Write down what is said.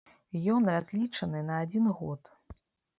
Ён разлічаны на адзін год.